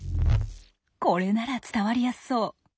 これなら伝わりやすそう。